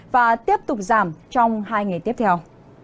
và tiếp tục giảm trong hai ngày tiếp theo